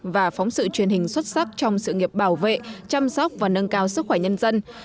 và phóng sự truyền hình xuất sắc trong sự nghiệp bảo vệ chăm sóc và nâng cao sức khỏe nhân dân